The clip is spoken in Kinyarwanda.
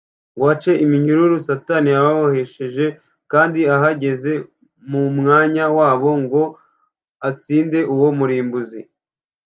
ngo ace iminyururu Satani yababohesheje kandi ahagaze mu mwanya wabo ngo batsinde uwo murimbuzi